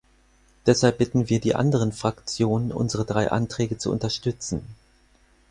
Deshalb bitten wir die anderen Fraktionen, unsere drei Anträge zu unterstützen.